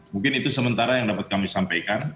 mungkin itu sementara yang dapat kami sampaikan